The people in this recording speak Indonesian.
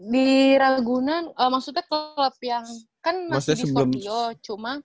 di ragunan maksudnya klub yang kan masih di studio cuma